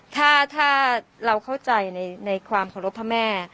ถ้าเราเข้าใจในความเคารพพระแม่